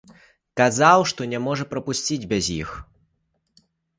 Казаў, што не можа прапусціць без іх.